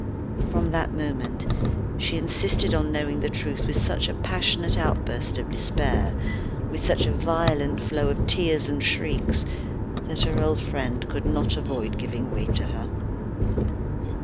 From that moment, she insisted on knowing the truth with such a passionate outburst of despair, with such a violent flow of tears and shrieks, that her old friend could not avoid giving way to her.